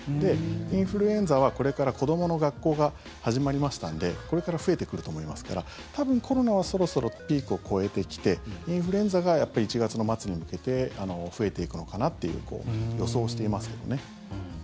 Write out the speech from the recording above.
インフルエンザはこれから子どもの学校が始まりましたんでこれから増えてくると思いますから多分コロナはそろそろピークを越えてきてインフルエンザがやっぱり１月の末に向けて増えていくのかなっていう予想をしていますけどね。